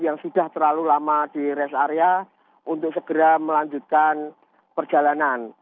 yang sudah terlalu lama di rest area untuk segera melanjutkan perjalanan